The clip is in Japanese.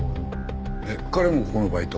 えっ彼もここのバイト？